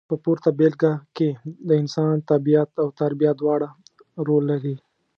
په پورته بېلګه کې د انسان طبیعت او تربیه دواړه رول لري.